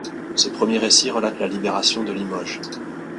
Ce premier récit relate la libération de Limoges.